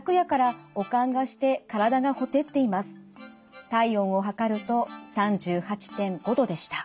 体温を測ると３８．５度でした。